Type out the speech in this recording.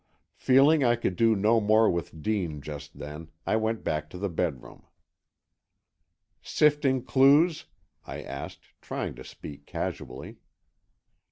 Feeling I could do no more with Dean just then, I went back to the bedroom. "Sifting clues?" I asked, trying to speak casually.